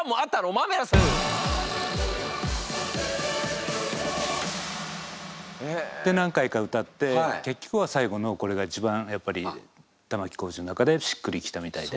マーベラス！で何回か歌って結局は最後のこれが一番やっぱり玉置浩二の中でしっくり来たみたいで。